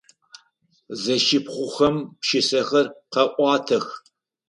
Зэшыпхъухэм пшысэхэр къаӏуатэх.